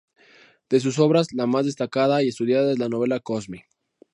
De sus obras, la más destacada y estudiada es la novela "Cosme".